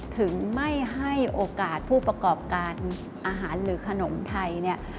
ถึงไม่ให้โอกาสผู้ประกอบการอาหารหรือขนมไทยเนี่ย